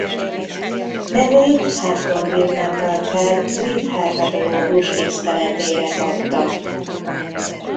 Nevét Hampton Wildman Parker brit herpetológus tiszteletére kapta.